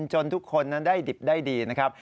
จนทุกคนนั้นได้ดิบได้ดีนะครับ